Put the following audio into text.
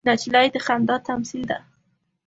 نجلۍ د خندا تمثیل ده.